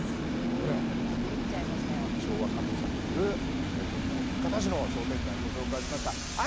昭和仮面さんもいる豊後高田市の商店街ご紹介しました。